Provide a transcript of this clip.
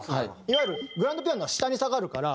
いわゆるグランドピアノは下に下がるから。